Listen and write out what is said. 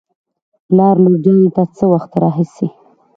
پلار : لور جانې له څه وخت راهېسې